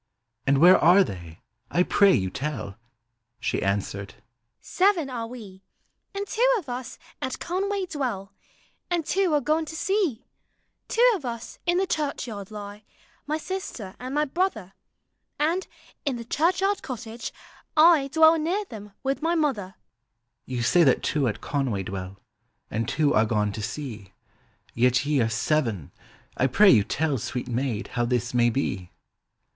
" And where are they? I pray you tell." She answered, u Seven are we; And two of us at Conway dwell, And two are gone to sea ;" Two of us in the ehurehyard lie, My sister and my brother; And, in the ehurehyard eottage. I Dwell uear them with my mother." " Vou say that two at Conway dwell. And two are gone to sea. Yet ye are seven! I pray vou tell. Sweet maid, how this may be."